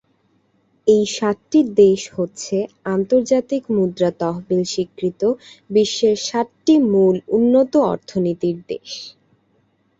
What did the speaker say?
এই সাতটি দেশ হচ্ছে আন্তর্জাতিক মুদ্রা তহবিল স্বীকৃত বিশ্বের সাতটি মূল উন্নত অর্থনীতির দেশ।